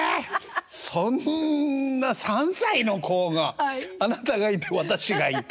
そんな３歳の子が「あなたがいて私がいて」。